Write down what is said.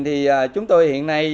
thì chúng tôi hiện nay